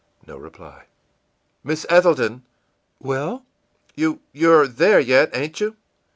î No reply. ìMiss Ethelton!î ìWell?î ìYou you're there yet, ain't you?